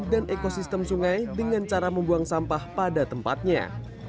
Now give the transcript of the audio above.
ekosistem sungai dengan cara membuang sampah pada tempatnya